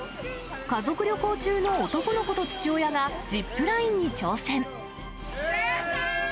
家族旅行中の男の子と父親がジップラインに挑戦。